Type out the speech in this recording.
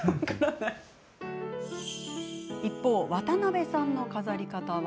一方、渡辺さんの飾り方は。